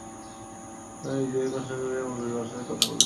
তারা নিজেদের ভাষা ছেড়ে এখন রুশ ভাষাতেই কথা বলেন।